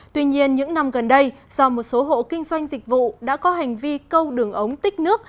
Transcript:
tuy nhiên những năm gần đây do một số hộ kinh doanh dịch vụ đã có hành vi câu đường ống tích nước